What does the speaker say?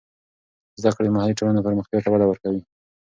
زده کړه د محلي ټولنو پرمختیا ته وده ورکوي.